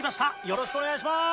よろしくお願いします！